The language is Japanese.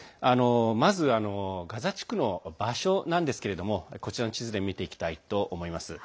まず、ガザ地区の場所なんですけれどもこちらの地図で示していきたいと思います。